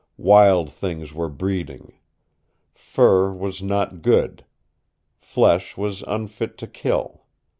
Wild things were breeding. Fur was not good. Flesh was unfit to kill.